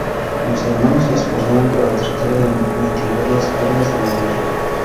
Los hermanos se esforzaron para tratar de mitigar las cargas de la guerra.